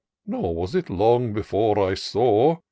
Nor was it long before I saw.